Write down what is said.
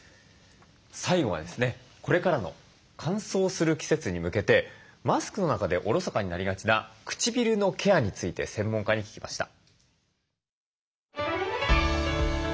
最後はですねこれからの乾燥する季節に向けてマスクの中でおろそかになりがちな唇のケアについて専門家に聞きました。